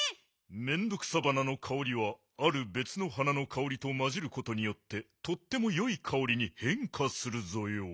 メンドクサバナのかおりはあるべつの花のかおりとまじることによってとってもよいかおりにへんかするぞよ。